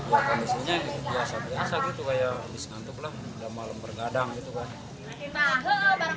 ya kondisinya gitu biasa biasa gitu kayak habis ngantuk lah udah malam bergadang gitu kan